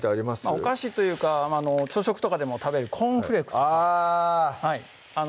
お菓子というか朝食とかでも食べるコーンフレークとかあ